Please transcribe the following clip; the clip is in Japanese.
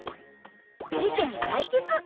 事件解決！